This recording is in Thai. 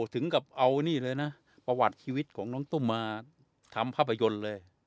ถึงกับเอานี่เลยนะประวัติชีวิตของน้องตุ้มมาทำภาพยนตร์เลย